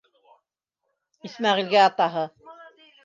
Исмәғилгә атаһы: